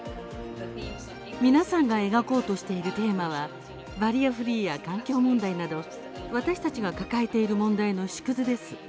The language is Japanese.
皆さんが描こうとしているテーマはバリアフリーや環境問題など私たちの抱えている問題の縮図です。